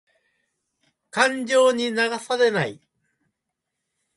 感情に流されない。